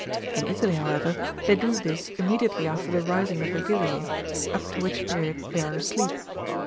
In Italy, however, they do this immediately after the rising of the Yergilia?, up to which period they are asleep.